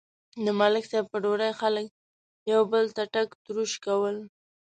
د ملک صاحب په ډوډۍ خلک یو بل ته ټاک تروش کول.